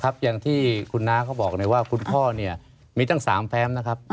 อย่างที่คุณน้าเขาบอกเลยว่าคุณพ่อเนี่ยมีตั้ง๓แฟ้มนะครับ